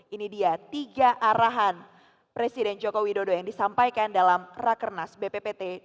ini dia tiga arahan presiden jokowi dodo yang disampaikan dalam rakernas bppt dua ribu dua puluh satu